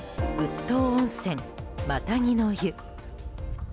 当温泉マタギの湯。